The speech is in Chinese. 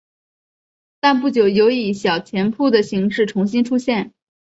但不久有以小钱铺的形式重新出现。